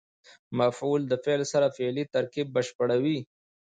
مفعول د فعل سره فعلي ترکیب بشپړوي.